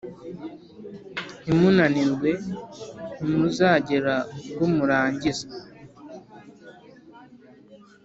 ntimunanirwe, ntimuzagera ubwo murangiza.